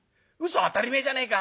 「当たり前じゃねえか。